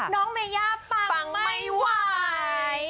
น้องเมย่าปังไม่ไหว